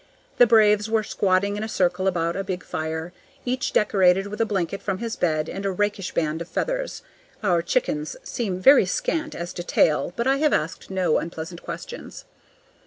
The braves were squatting in a circle about a big fire, each decorated with a blanket from his bed and a rakish band of feathers. (Our chickens seem very scant as to tail, but I have asked no unpleasant questions.)